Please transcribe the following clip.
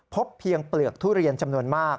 พบเพียงเปลือกทุเรียนจำนวนมาก